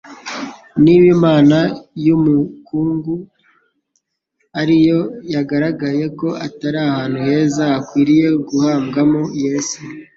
Niba imva y'umukungu ari yo yagaragaye ko atari ahantu heza hakwiriye guhambwamo Yesu,